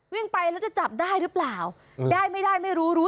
วิ่งไปแล้วจะจับได้หรือเปล่าได้ไม่ได้ไม่รู้รู้